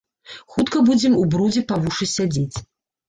Хутка будзем у брудзе па вушы сядзець.